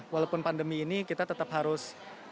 walaupun pandemi ini kita tetap harus